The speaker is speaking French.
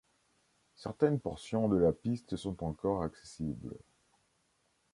Certaines portions de la piste sont encore accessibles.